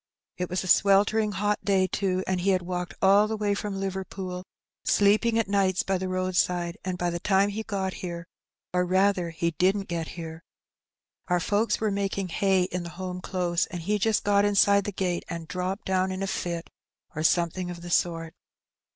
It was a sweltering hot day, too, and he had walked all the way from Liverpool, sleeping at nights by the roadside, and by the time he got here — or, rather, he didn't get here— our folks were making hay in the home close, and he just got inside the gate, and dropped down in a fit, or something of the sort.